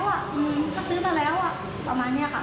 บอกว่าก็กูซื้อมาแล้วอ่ะอืมถ้าซื้อมาแล้วอ่ะประมาณเนี่ยค่ะ